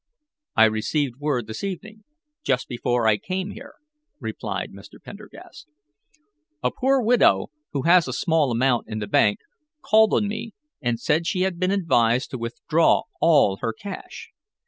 "I received word this evening, just before I came here," replied Mr. Pendergast. "A poor widow, who has a small amount in the bank, called on me and said she had been advised to withdraw all her cash.